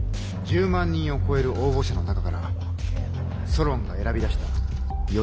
１０万人を超える応募者の中からソロンが選び出した４人です。